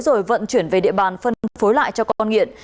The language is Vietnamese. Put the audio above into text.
rồi vận chuyển về địa bàn phân phối lại cho con nghiện